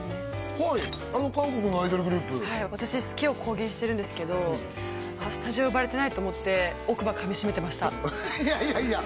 はいあの韓国のアイドルグループはい私好きを公言してるんですけどスタジオ呼ばれてないと思っていやいやいや